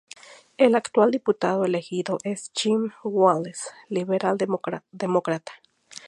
El actual diputado elegido es Jim Wallace, liberal demócrata.